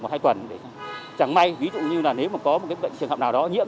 một hai tuần chẳng may ví dụ như là nếu có một trường hợp nào đó nhiễm